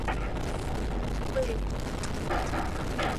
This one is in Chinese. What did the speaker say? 魏德林签署了用无线电宣布的命令。